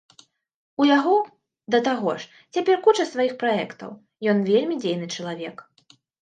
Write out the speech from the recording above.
У яго, да таго ж, цяпер куча сваіх праектаў, ён вельмі дзейны чалавек.